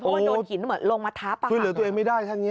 เพราะว่าโดนหินเหมือนลงมาท้าประหลาดเลยโอ้โฮคือเหลือตัวเองไม่ได้ทั้งนี้